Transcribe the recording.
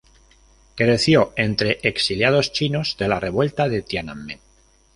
Creció entre exiliados chinos de la revuelta de Tiananmen.